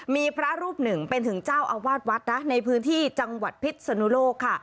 มีพระรูปหนึ่งเป็นถึงเจ้าอาวาสวัดนะในพื้นที่จังหวัดพิษสนุโลกค่ะ